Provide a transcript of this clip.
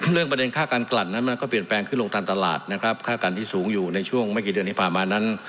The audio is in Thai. เรื่องประเด็นค่าการกลั่นนั้นมันก็เปลี่ยนแปลงขึ้นลงตามตลาดนะครับค่ากันที่สูงอยู่ในช่วงไม่กี่เดือนที่ผ่านมานั้น